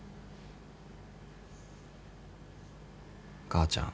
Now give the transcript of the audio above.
母ちゃん！